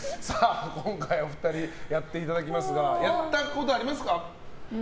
今回お二人にやっていただきますがやったことありますか？